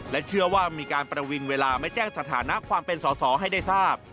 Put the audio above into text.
เชื่อว่ามีการประวิงเวลาไม่แจ้งสถานะความเป็นสอสอให้ได้ทราบ